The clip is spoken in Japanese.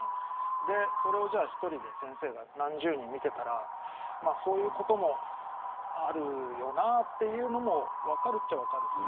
それを１人の先生が何十人も見ていたらそういうこともあるようなというのも分かるっちゃ分かります。